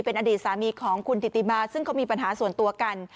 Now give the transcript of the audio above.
เป็นอดีตสามีของคุณถิติมาซึ่งเขามีปัญหาส่วนตัวกัน